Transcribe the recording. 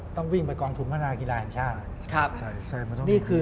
ต้องวิ่งไปกองทุนพัฒนากีฬาแห่งชาติ